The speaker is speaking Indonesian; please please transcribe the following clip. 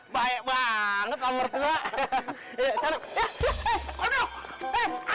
baik banget mertua